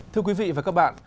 thưa quý vị và các bạn